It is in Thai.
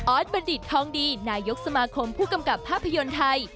สดบัณฑิตทองดีนายกสมาคมผู้กำกับภาพยนตร์ไทย